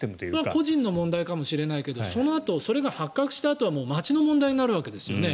個人の問題かもしれないけどそのあと、それが発覚したあとは町の問題になるわけですよね。